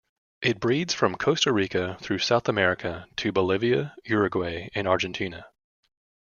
It breeds from Costa Rica through South America to Bolivia, Uruguay, and Argentina.